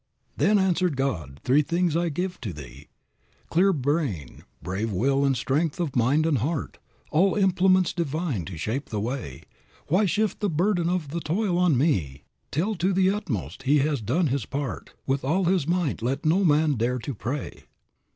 "Then answered God: 'Three things I gave to thee Clear brain, brave will and strength of mind and heart, All implements divine to shape the way; Why shift the burden of the toil on Me? Till to the utmost he has done his part With all his might, let no man dare to pray.'"